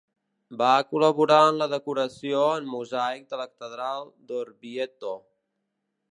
Va col·laborar en la decoració en mosaic de la catedral d'Orvieto.